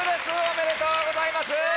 おめでとうございます！